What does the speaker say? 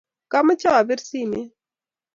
kamoche apir simeet.